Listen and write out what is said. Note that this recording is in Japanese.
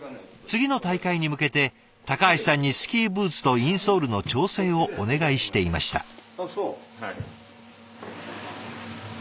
次の大会に向けて橋さんにスキーブーツとインソールの調整をお願いしていました。